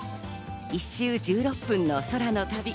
１周１６分の空の旅。